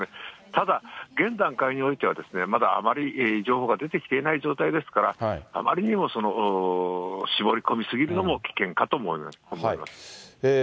ただ現段階においてはまだあまり情報が出てきていない状態ですから、あまりにも絞り込み過ぎるのも危険かと思います。